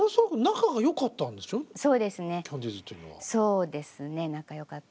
そうですね仲よかったです。